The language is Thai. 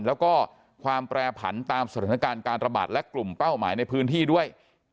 แล้วก็ความแปรผันตามสถานการณ์การระบาดและกลุ่มเป้าหมายในพื้นที่ด้วย